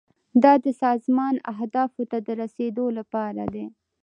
دا د سازمان اهدافو ته د رسیدو لپاره دی.